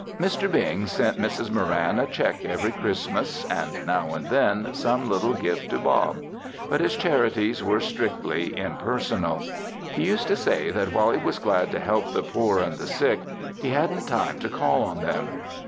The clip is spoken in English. Mr. Bing sent Mrs. Moran a check every Christmas and, now and then, some little gift to Bob, but his charities were strictly impersonal. He used to say that while he was glad to help the poor and the sick, he hadn't time to call on them.